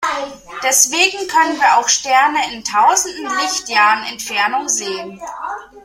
Deswegen können wir auch Sterne in tausenden Lichtjahren Entfernung sehen.